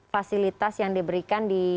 fasilitas yang diberikan di